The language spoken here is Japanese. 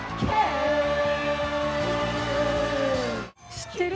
知ってる？